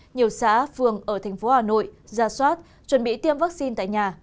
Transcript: nhiều xã phường ở thành phố hà nội ra soát chuẩn bị tiêm vaccine tại nhà